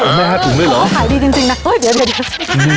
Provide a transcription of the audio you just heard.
ขอแม่ห้าถุงด้วยเหรอขายดีจริงจริงนะโอ้ยเดี๋ยวเดี๋ยวเดี๋ยว